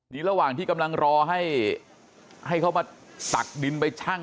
นี่ระหว่างที่กำลังรอให้เขามาตักดินไปชั่ง